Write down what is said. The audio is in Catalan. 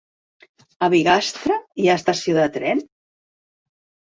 A Bigastre hi ha estació de tren?